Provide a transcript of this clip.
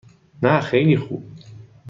نه خیلی خوب.